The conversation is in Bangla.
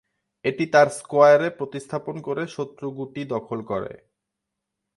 এটি তার স্কোয়ারে প্রতিস্থাপন করে শত্রু গুটি দখল করে।